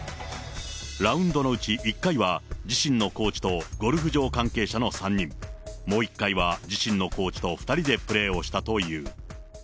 ラウンドのうち１回は、自身のコーチとゴルフ場関係者の３人、もう１回は自身のコーチと２人でプレーをしたという。